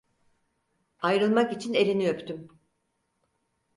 Ayrılmak için elini öptüm.